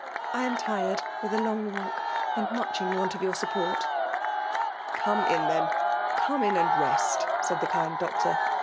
— I am tired with a long w alk> and much in want of your support." " Come in> then, — come in and rest/* said the kind Doctor.